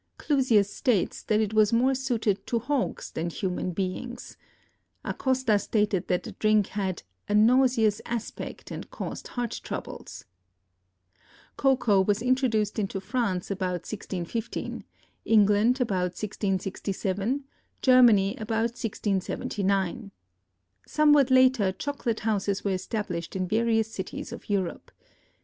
Clusius stated that it was more suited to hogs than human beings. Acosta stated that the drink had "a nauseous aspect and caused heart troubles." Cocoa was introduced into France about 1615, England about 1667, Germany about 1679. Somewhat later chocolate houses were established in various cities of Europe.